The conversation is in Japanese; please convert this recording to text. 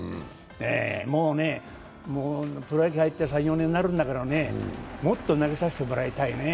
もうプロ野球入って３４年になるんだから、もっと投げさせてもらいたいねえ。